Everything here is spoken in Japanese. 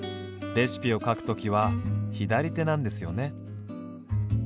レシピを書くときは左手なんですよね。